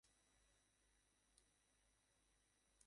তোমাদের দুজনের কি হয়েছে?